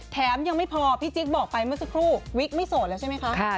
แถมยังไม่พอพี่จิ๊กบอกไปเมื่อสักครู่วิกไม่โสดแล้วใช่ไหมคะ